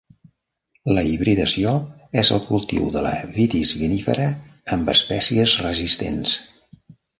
La hibridació és el cultiu de la Vitis vinifera amb espècies resistents.